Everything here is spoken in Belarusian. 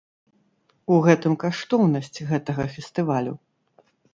У гэтым каштоўнасць гэтага фестывалю.